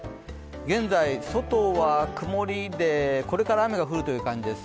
現在、外は曇りでこれから雨が降るという感じです。